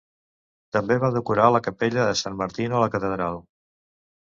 També va decorar la capella de San Martino a la catedral.